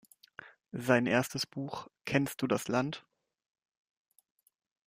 Sein erstes Buch "Kennst du das Land?